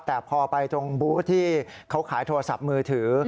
แต่พอไปตรงบูธที่เขาขายโทรศัพท์มือถือ